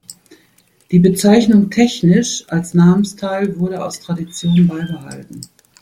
Die Bezeichnung „Technisch“ als Namensteil wurde aus Tradition beibehalten.